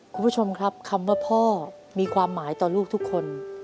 คุณผู้ชมครับคำว่าพ่อมีความหมายต่อลูกทุกคน